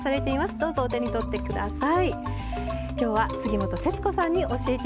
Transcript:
どうぞお手に取ってください。